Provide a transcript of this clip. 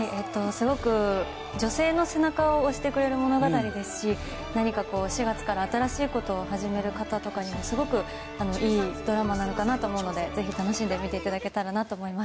すごく女性の背中を押してくれる物語ですし何か、４月から新しいことを始める方とかにはすごくいいドラマなのかなと思うのでぜひ、楽しんで見ていただけたらなと思います。